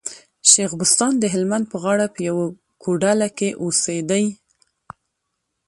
شېخ بستان د هلمند په غاړه په يوه کوډله کي اوسېدئ.